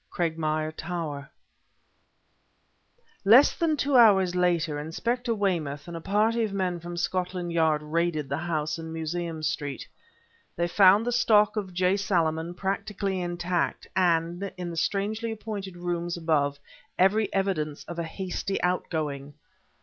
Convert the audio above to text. CRAGMIRE TOWER Less than two hours later, Inspector Weymouth and a party of men from Scotland Yard raided the house in Museum Street. They found the stock of J. Salaman practically intact, and, in the strangely appointed rooms above, every evidence of a hasty outgoing.